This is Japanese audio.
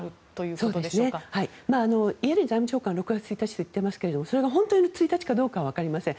イエレン財務長官は６月１日と言っていますがそれが本当に１日かどうかはわかりません。